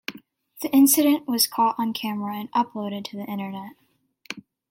The incident was caught on camera and uploaded to the Internet.